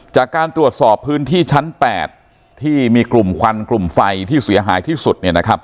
จากการตรวจสอบพื้นที่ชั้น๘ที่มีกลุ่มควันกลุ่มไฟที่เสียหายที่สุด